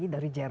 iya itu benar